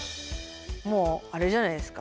もうあれじゃないですか？